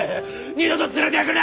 二度と連れてくな！